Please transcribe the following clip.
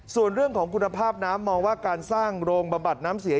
ส่วนเรื่องของคุณภาพน้ำมองว่าการสร้างโรงบำบัดน้ำเสีย